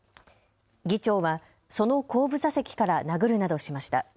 議長はその後部座席から殴るなどしました。